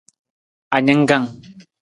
Aningkang.